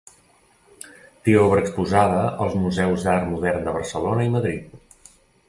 Té obra exposada als museus d'art modern de Barcelona i Madrid.